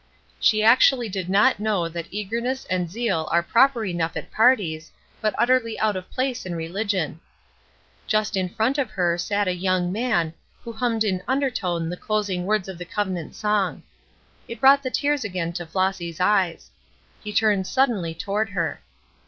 She actually did not know that eagerness and zeal are proper enough at parties, but utterly out of place in religion. Just in front of her sat a young man who hummed in undertone the closing words of the covenant song. It brought the tears again to Flossy's eyes. He turned suddenly toward her.